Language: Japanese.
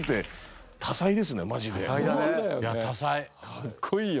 かっこいいよね。